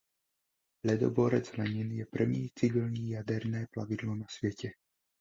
Ledoborec Lenin je první civilní jaderné plavidlo na světě.